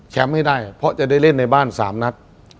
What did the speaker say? ให้ได้เพราะจะได้เล่นในบ้าน๓นัด